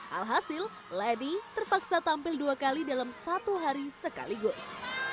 alhasil lady terpaksa tampil dua kali dalam satu hari sekaligus